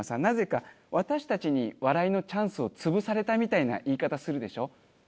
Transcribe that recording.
なぜか私たちに笑いのチャンスを潰されたみたいな言い方するでしょ。